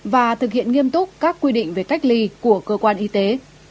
và thực hiện nghiêm túc các quy định về cách ly của cơ quan y tế